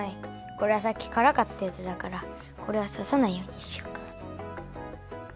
これはさっきからかったやつだからこれはささないようにしようか。